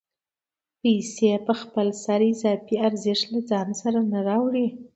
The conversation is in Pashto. پیسې په خپل سر اضافي ارزښت له ځان سره نه راوړي